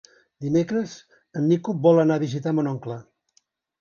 Dimecres en Nico vol anar a visitar mon oncle.